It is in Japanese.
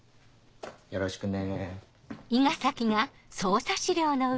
よろしくね。